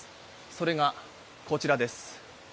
それが、こちらです。